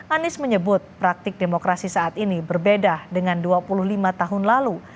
anies menyebut praktik demokrasi saat ini berbeda dengan dua puluh lima tahun lalu